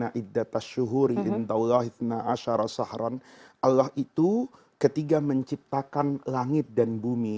allah itu ketika menciptakan langit dan bumi